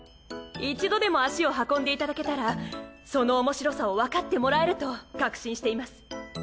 一度でも足を運んでいただけたらそのおもしろさをわかってもらえると確信しています。